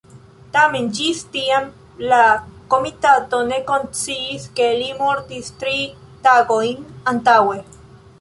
Tamen, ĝis tiam la komitato ne konsciis ke li mortis tri tagojn antaŭe.